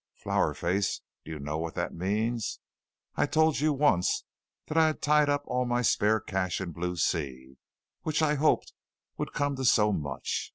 Flower Face, do you know what that means? I told you once that I had tied up all my spare cash in Blue Sea, which I hoped would come to so much.